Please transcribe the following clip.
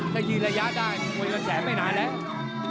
ถ้ายืนระยะได้มันจะแสงไม่นานแล้ว